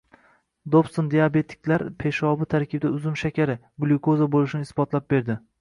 Dobson diabetiklar peshobi tarkibida uzum shakari — glyukoza bo‘lishini isbotlab berdi